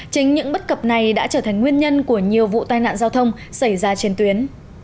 chính những bất cập này đã trở thành nguyên nhân của nhiều vụ tai nạn giao thông xảy ra trên tuyến